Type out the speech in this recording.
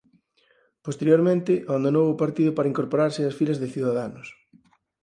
Posteriormente abandonou o partido para incorporarse ás filas de Ciudadanos.